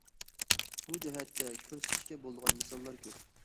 بۇ جەھەتتە كۆرسىتىشكە بولىدىغان مىساللار كۆپ.